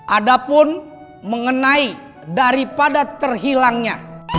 ada pun mengenai daripada terhilangnya